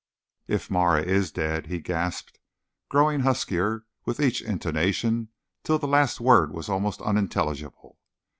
"If Marah is dead!" he gasped, growing huskier with each intonation till the last word was almost unintelligible.